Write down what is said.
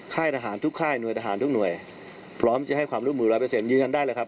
ข้ายทหารทุกข้ายหน่วยทหารทุกหน่วยพร้อมจะให้ความรุ่นหมู่รับเบจเซ็นต์ยืนกันไดุ้่ยครับ